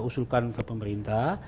usulkan ke pemerintah